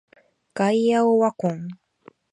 ガイアオワコン